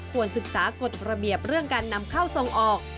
ศึกษากฎระเบียบเรื่องการนำเข้าทรงออก